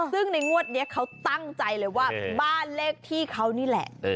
ซึ่งในงวดนี้เขาตั้งใจเลยว่าบ้านเลขที่เขานี่แหละ